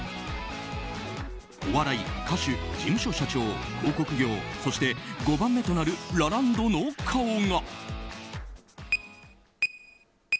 お笑い、歌手事務所社長、広告業そして、５番目となるラランドの顔が。